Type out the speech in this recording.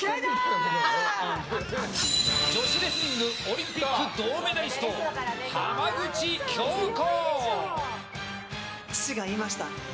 女子レスリングオリンピック銅メダリスト浜口京子！